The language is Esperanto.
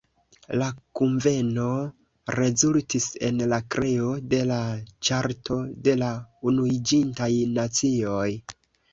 La kunveno rezultis en la kreo de la Ĉarto de la Unuiĝintaj Nacioj.